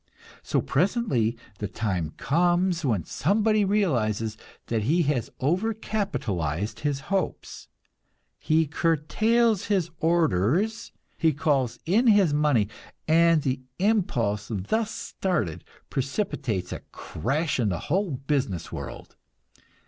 So presently the time comes when somebody realizes that he has over capitalized his hopes; he curtails his orders, he calls in his money, and the impulse thus started precipitates a crash in the whole business world.